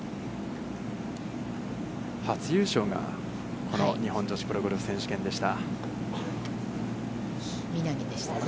初優勝が、この日本女子プロゴルフ選手権でした。